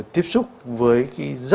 tiếp xúc với cái hệ thống hốp